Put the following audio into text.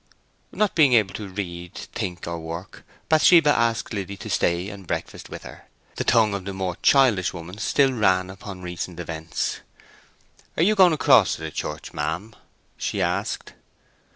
Not being able to read, think, or work, Bathsheba asked Liddy to stay and breakfast with her. The tongue of the more childish woman still ran upon recent events. "Are you going across to the church, ma'am?" she asked.